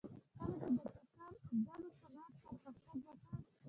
کله چې د ټوکر اوبدلو صنعت پرمختګ وکړ